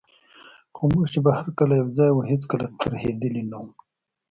خو موږ چي به هر کله یوځای وو، هیڅکله ترهېدلي نه وو.